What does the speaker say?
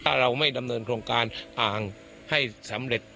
ถ้าเราไม่ดำเนินโครงการอ่างให้สำเร็จ